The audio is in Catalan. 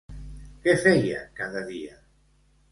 Què feia cada dia?